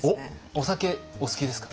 お酒お好きですか？